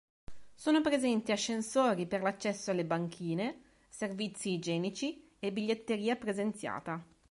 Sono presenti ascensori per l'accesso alle banchine, servizi igienici e biglietteria presenziata.